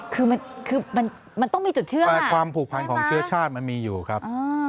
คือมันคือมันต้องมีจุดเชื่อแต่ความผูกพันของเชื้อชาติมันมีอยู่ครับ